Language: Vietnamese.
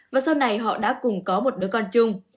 và sau này họ đã cùng có một đứa con chung